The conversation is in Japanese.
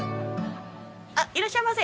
いらっしゃいませ。